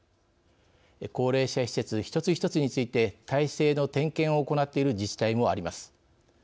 高齢者施設一つ一つについて体制の点検を行っている自治体もあります。